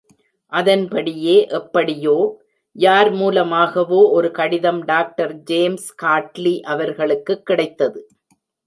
அதன்படியே எப்படியோ—யார் மூல மாகவோ ஒரு கடிதம் டாக்டர் ஜேம்ஸ் காட்லி அவர்களுக்குக் கிடைத்தது.